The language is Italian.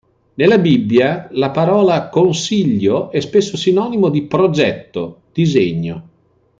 Nella Bibbia, la parola "consiglio" è spesso sinonimo di "progetto", "disegno".